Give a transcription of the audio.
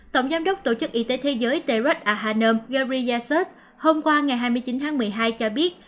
tổng giám đốc tổ chức y tế thế giới terus ở hà nơm gary yassert hôm qua ngày hai mươi chín tháng một mươi hai cho biết